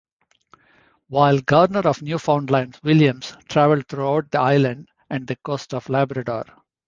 While governor of Newfoundland Williams travelled throughout the island and the coast of Labrador.